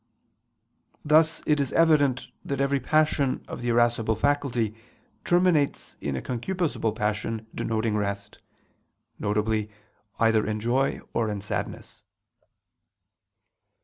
Thus it is evident that every passion of the irascible faculty terminates in a concupiscible passion denoting rest, viz. either in joy or in sadness.